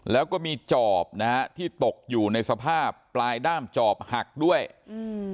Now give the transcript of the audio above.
แล้วก็มีจอบนะฮะที่ตกอยู่ในสภาพปลายด้ามจอบหักด้วยอืม